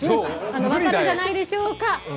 分かるんじゃないでしょうか。